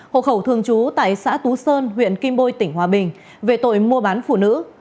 hộ khẩu thường trú tại xã tú sơn huyện kim bôi tỉnh hòa bình về tội mua bán phụ nữ